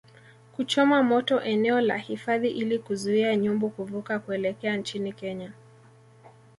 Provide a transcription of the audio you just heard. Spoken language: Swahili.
kuchoma moto eneo la hifadhi ili kuzuia nyumbu kuvuka kuelekea nchini Kenya